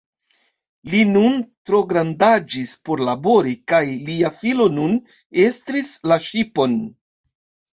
Li nun trograndaĝis por labori, kaj lia filo nun estris la ŝipon.